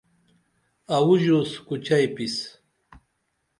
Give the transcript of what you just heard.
اوُو ژوس کو چئی پیس؟